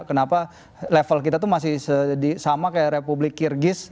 kenapa level kita tuh masih sama kayak republik kirgis